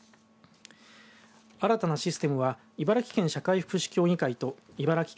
新たなシステムは茨城県社会福祉協議会と茨城県